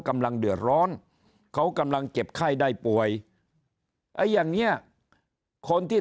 กำลังเดือดร้อนเขากำลังเจ็บไข้ได้ป่วยไอ้อย่างเนี้ยคนที่